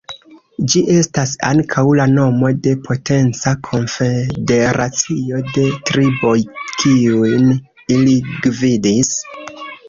Ĝi estas ankaŭ la nomo de potenca konfederacio de triboj, kiun ili gvidis.